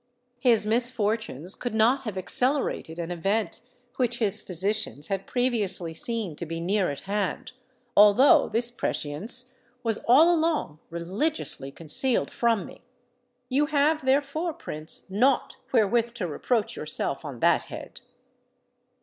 His misfortunes could not have accelerated an event which his physicians had previously seen to be near at hand—although this prescience was all along religiously concealed from me. You have therefore, Prince, naught wherewith to reproach yourself on that head."